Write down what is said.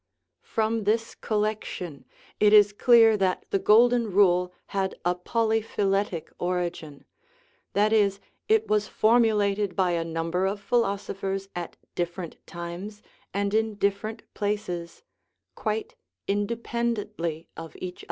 From this collection it is clear that the Golden Rule had a polyphyletic origin that is, it was formulated by a number of philosophers at different times and in different places, quite indepen dently of each other.